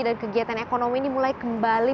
dan kegiatan ekonomi ini mulai kembali